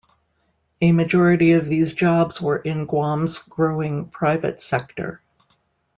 A majority of these jobs were in Guam's growing private sector.